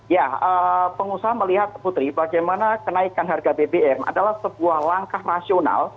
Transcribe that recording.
ya pengusaha melihat putri bagaimana kenaikan harga bbm adalah sebuah langkah rasional